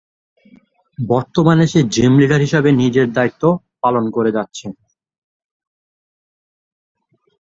বর্তমানে সে gym leader হিসেবে নিজের দায়িত্বপালন করে যাচ্ছে।